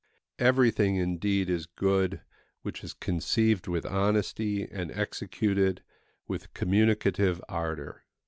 Everything, indeed, is good which is conceived with honesty and executed with communicative ardour.